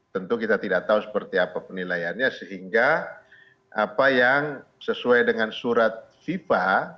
tentu kita tidak tahu seperti apa penilaiannya sehingga apa yang sesuai dengan surat fifa